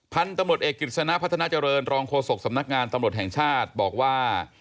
พันธ์ตำรุดเอกกฤษณภพเจริญรองโคศกษ์สำนักงานตำรวจแห่งชาติบอกว่า